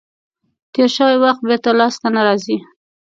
تیر شوی وخت بېرته لاس ته نه راځي.